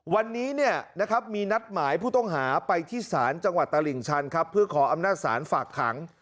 วันนี้มีนัดหมายผู้ต้องหาไปที่ศาลจังหวัดตลิ่งชันครับเพื่อขออำนาจศาลฝากขัง